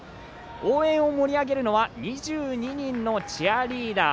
応援を盛り上げるのは２２人のチアリーダー。